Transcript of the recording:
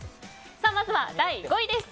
まずは第５位です。